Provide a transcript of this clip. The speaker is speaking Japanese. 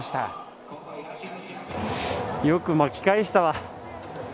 よく巻き返したわ。